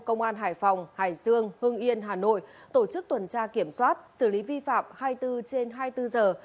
công an hải phòng hải dương hưng yên hà nội tổ chức tuần tra kiểm soát xử lý vi phạm hai mươi bốn trên hai mươi bốn giờ